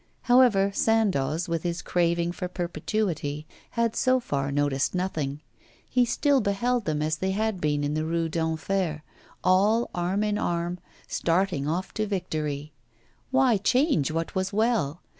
However, Sandoz, with his craving for perpetuity, had so far noticed nothing; he still beheld them as they had been in the Rue d'Enfer, all arm in arm, starting off to victory. Why change what was well?